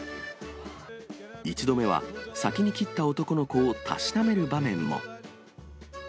１度目は先に切った男の子をたしなめる場面も。